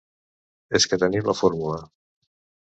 És que tenim la fórmula.